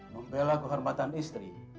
membelah kehormatan istri